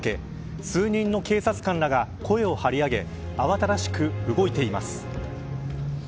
数人の警察官らが声を張り上げ慌ただしく動いています。